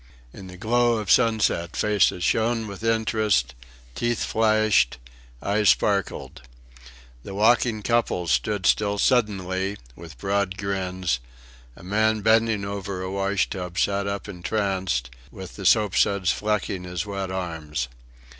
In the glow of sunset faces shone with interest, teeth flashed, eyes sparkled. The walking couples stood still suddenly, with broad grins; a man, bending over a wash tub, sat up, entranced, with the soapsuds flecking his wet arms.